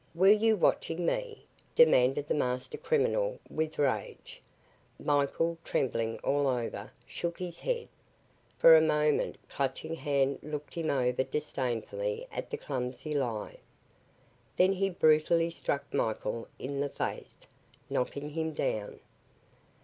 "Were you watching me?" demanded the master criminal, with rage. Michael, trembling all over, shook his head. For a moment Clutching Hand looked him over disdainfully at the clumsy lie. Then he brutally struck Michael in the face, knocking him down.